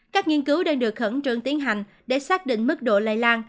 các nghiên cứu đang được khẩn trương tiến hành để xác định mức độ lây lan